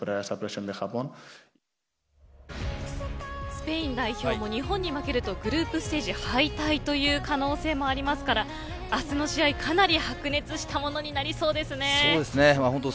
スペイン代表も日本に負けるとグループステージ敗退という可能性もありますから明日の試合かなり白熱したものに本当